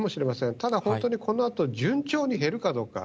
ただ、本当にこのあと順調に減るかどうか。